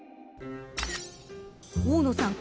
［大野さん。